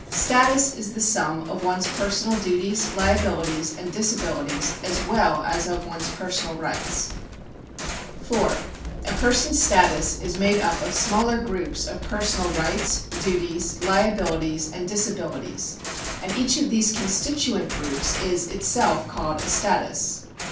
Status is the sum of one's personal duties, liabiHtics, and disabilities, as well as of one's personal rights. 4. A person's status is made up of smaller grovips of personal rights, duties, liabilities, and disabilities, and each of these constituent groups is itself called a status.